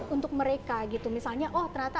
untuk mereka gitu misalnya oh ternyata